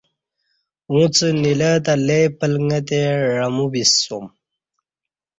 اُݩڅ نیلہ تہ لئ پلݣتے عمو بِسیوم